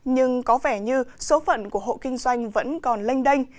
nhưng có vẻ như số phận của hộ kinh doanh vẫn còn lênh đênh